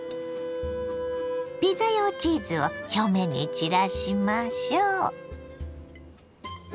ピザ用チーズを表面に散らしましょう。